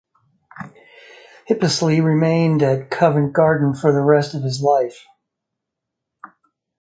Hippisley remained at Covent Garden for the rest of his life.